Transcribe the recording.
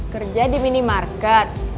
kerja di minimarket